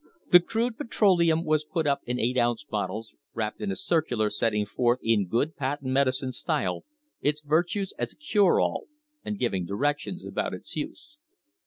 The crude petroleum was put up in eight ounce bottles wrapped in a circular setting forth in 1 good patent medicine style its virtues as a cure all, and giv l ing directions about its use.